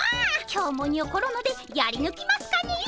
今日もにょころのでやりぬきますかねえ。